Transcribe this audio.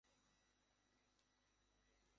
অন্নদাবাবু ত্রস্ত হইয়া উঠিয়া কহিলেন, না, কী হইয়াছে?